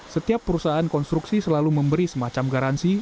setiap perusahaan konstruksi selalu memberi semacam garansi